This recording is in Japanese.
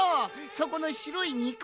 そこのしろいにく